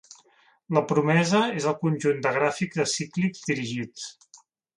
La promesa és el conjunt de gràfics acíclics dirigits.